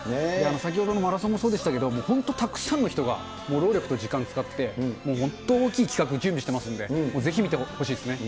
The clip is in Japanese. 先ほどのマラソンもそうでしたけれども、本当たくさんの人が労力と時間使って、本当大きい企画、準備しておりますので、ぜひ見てほしいですね。